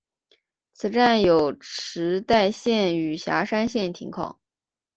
此站有池袋线与狭山线停靠。